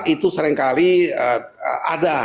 itu seringkali ada